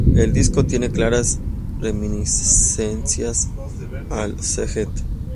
El disco tiene claras reminiscencias al Sgt.